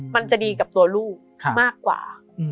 มันจะดีกับตัวลูกมากกว่า